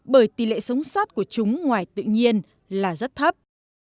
bởi tỷ lệ sống sót của chúng ngoài tự nhiên là rất thấp